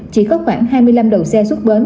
chỉ có khoảng hai mươi năm đầu xe xuất bến